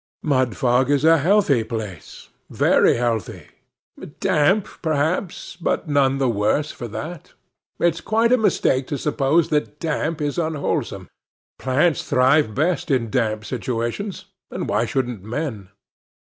Mudfog is a healthy place—very healthy;—damp, perhaps, but none the worse for that. It's quite a mistake to suppose that damp is unwholesome: plants thrive best in damp situations, and why shouldn't men?